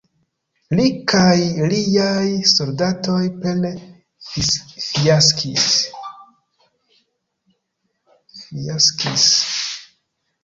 Li kaj liaj soldatoj plene fiaskis.